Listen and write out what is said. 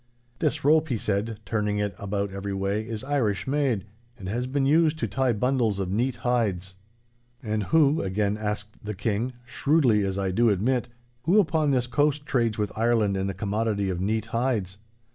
'This rope,' he said, turning it about every way, 'is Irish made, and has been used to tie bundles of neat hides.' 'And who,' again asked the King—shrewdly, as I do admit, 'who upon this coast trades with Ireland in the commodity of neat hides?